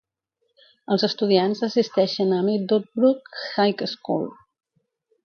Els estudiants assisteixen a Meadowbrook High School.